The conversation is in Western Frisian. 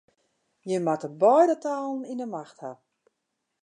Je moatte beide talen yn 'e macht ha.